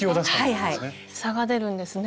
差が出るんですね。